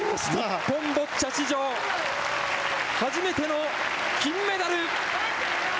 日本ボッチャ史上初めての金メダル。